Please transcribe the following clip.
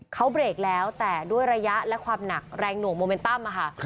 เขาเบรกแล้วแต่ด้วยระยะและความหนักแรงหน่วงโมเมนตั้มค่ะ